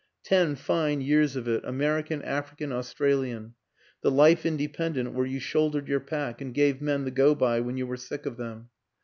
Ten fine years of it, Amer ican, African, Australian; the life independent where you shouldered your pack and gave men the go by when you were sick of them.